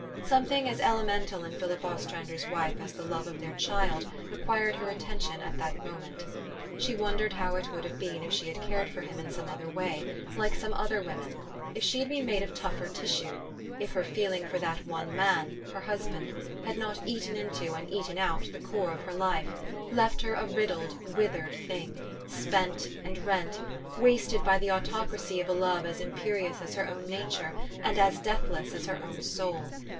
Something as elemental in Philip Ostrander's wife as the love of their child, required her attention at that moment. She wondered how it would have been if she had cared for him in some other way, like some other women ; if she had been made of tougher tissue ; if her feeling for that one man, her husband, had not eaten into and eaten out the core of her life, left her a riddled, withered thing, spent and rent, wasted by the autocracy of a love as imperious as her own nature, and as deathless as her own soul.